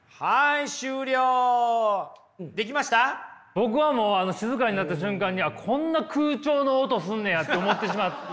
僕はもう静かになった瞬間にこんな空調の音すんねやって思ってしまった。